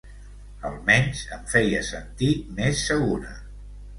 Almenys em feia sentir més segura.